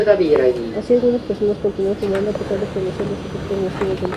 Así algunas personas continúan fumando a pesar de conocer los efectos nocivos del tabaco.